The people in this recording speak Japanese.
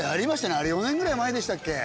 あれ４年ぐらい前でしたっけ？